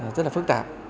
rất là phức tạp